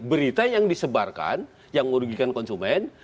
berita yang disebarkan yang merugikan konsumen